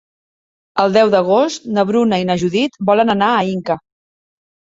El deu d'agost na Bruna i na Judit volen anar a Inca.